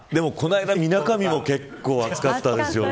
みなかみも結構暑かったですよね